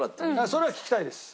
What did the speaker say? それは聞きたいです。